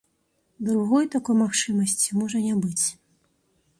Другой такой магчымасці можа не быць.